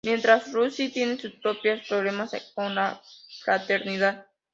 Mientras Rusty tiene sus propios problemas con la fraternidad.